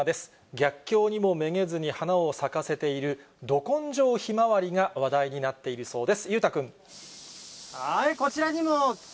逆境にもめげずに花を咲かせているど根性ひまわりが話題になっているそうです。